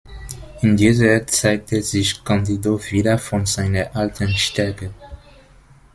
In dieser zeigte sich Candido wieder von seiner alten Stärke.